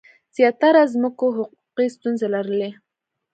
زیاتره ځمکو حقوقي ستونزې لرلې.